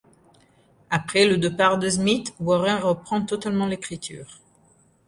Après le départ de Smith, Warren reprend totalement l'écriture.